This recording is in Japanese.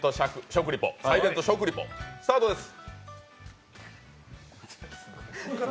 サイレント食リポスタートです。